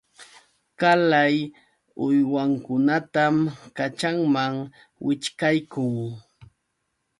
Qalay uywankunatam kaćhanman wićhqaykun.